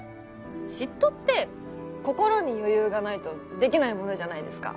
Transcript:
嫉妬って心に余裕がないとできないものじゃないですか